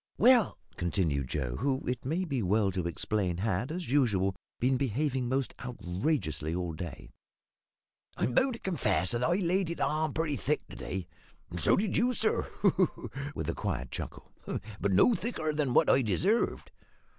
"Well," continued Joe who, it may be well to explain, had, as usual, been behaving most outrageously all day "I'm boun' to confess that I laid it on pretty thick to day; and so did you, sir," with a quiet chuckle "but not no thicker than what I deserved.